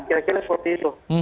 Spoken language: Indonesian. kira kira seperti itu